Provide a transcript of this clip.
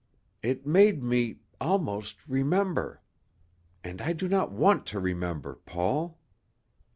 "It made me almost remember. And I do not want to remember, Paul."